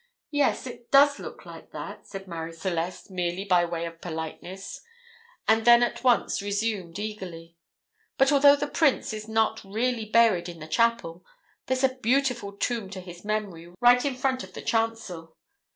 "Yes, it does look like that," said Marie Celeste, merely by way of politeness, and then at once resumed eagerly: "But although the Prince is not really buried in the chapel, there's a beautiful tomb to his memory right in front of the chancel.